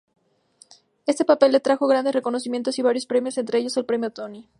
Ese papel le trajo grandes reconocimientos y varios premios, entre ellos el Premio Tony.